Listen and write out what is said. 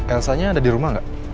elsanya ada di rumah nggak